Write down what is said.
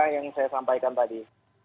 yang saya sampaikan tadi